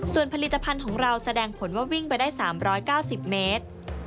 ส่วนผลิตภัณฑ์ของเราแสดงผลว่าวิ่งไปได้๓๙๐เมตร